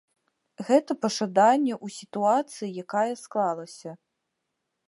Гэта пажаданне ў сітуацыі, якая склалася.